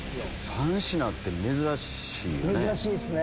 ３品って珍しいよね。